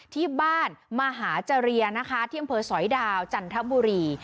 ที่บ้านมหาเจรียนะคะที่อำเภอสอยดาวจันทบุรี